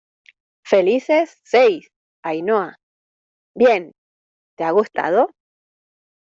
felices seis, Ainhoa. ¡ bien! ¿ te ha gustado?